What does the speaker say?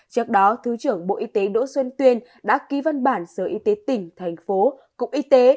trước đó thứ trưởng bộ y tế đỗ xuân tuyên đã ký văn bản sở y tế tỉnh thành phố cục y tế